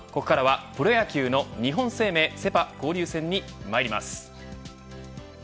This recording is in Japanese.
ここからはプロ野球の日本生命セ・パ交流戦にまいります。